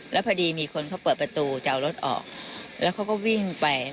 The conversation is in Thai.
แล้วพอดีมีคนเขาเปิดประตูจะเอารถออกแล้วเขาก็วิ่งไป